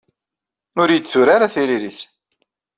Ur iyi-d-turi ara tiririt.